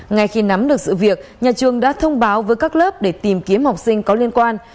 ngay khi nắm được sự việc nhà trường đã thông báo với các lớp để tìm kiếm học sinh có liên quan